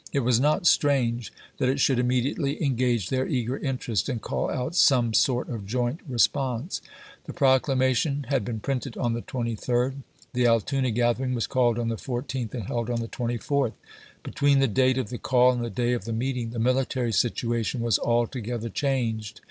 It was not strange that it should immediately engage their eager interest and call out some sort of joint re sponse. The proclamation had been printed on the Sept.. 1862. 23d ; the Altoona gathering was called on the 14th and held on the 24th. Between the date of the call and the day of the meeting the military situation was altogether changed.